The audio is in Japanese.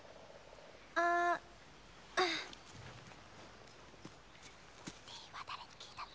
ああディーンは誰に聞いたの？